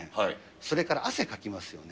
それから汗かきますよね。